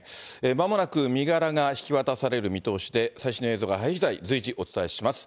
まもなく身柄が引き渡される見通しで、最新の映像が入りしだい、随時お伝えします。